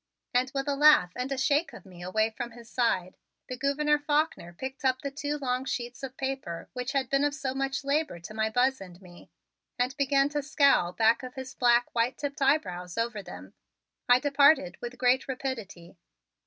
And with a laugh and a shake of me away from his side, the Gouverneur Faulkner picked up the two long sheets of paper which had been of so much labor to my Buzz and me and began to scowl back of his black, white tipped eyebrows over them. I departed with great rapidity.